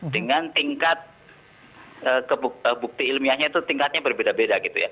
dengan tingkat bukti ilmiahnya itu tingkatnya berbeda beda